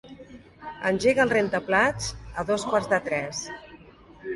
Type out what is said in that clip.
Engega el rentaplats a dos quarts de tres.